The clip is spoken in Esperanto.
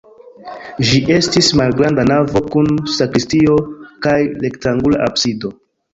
Ĝi estis malgranda navo kun sakristio kaj rektangula absido.